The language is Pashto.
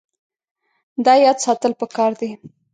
دا یاد ساتل پکار دي.